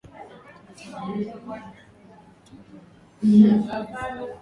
Vita vya maneno kuna watu ni majemedari